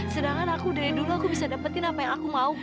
sedangkan aku dari dulu aku bisa dapetin apa yang aku mau